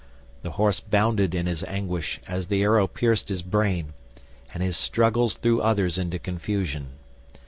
The horse bounded in his anguish as the arrow pierced his brain, and his struggles threw others into confusion.